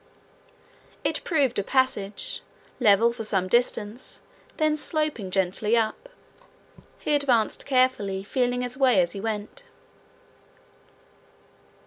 It proved a passage, level for some distance, then sloping gently up. He advanced carefully, feeling his way as he went.